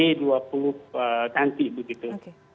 itu cukup ganti begitu